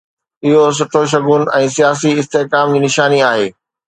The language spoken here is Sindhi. اهو سٺو شگون ۽ سياسي استحڪام جي نشاني آهي.